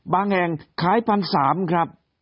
แห่งขาย๑๓๐๐ครับ